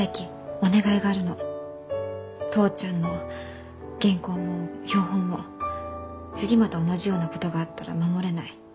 お父ちゃんの原稿も標本も次また同じようなことがあったら守れない。